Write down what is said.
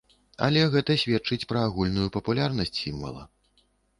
Але гэта сведчыць пра агульную папулярнасць сімвала.